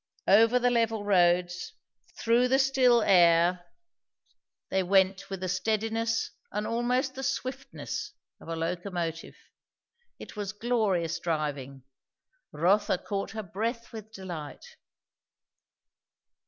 Over the level roads, through the still air, they went with the steadiness and almost the swiftness, of a locomotive. It was glorious driving. Rotha caught her breath with delight.